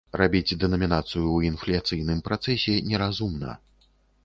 Рабіць дэнамінацыю ў інфляцыйным працэсе неразумна.